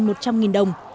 mỗi lần một trăm linh đồng